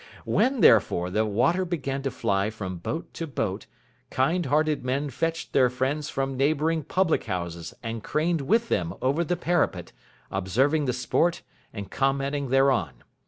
When, therefore, the water began to fly from boat to boat, kind hearted men fetched their friends from neighbouring public houses and craned with them over the parapet, observing the sport and commenting thereon.